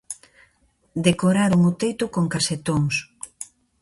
Decoraron o teito con casetóns.